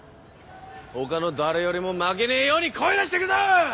他の誰よりも負けねえように声出していくぞー！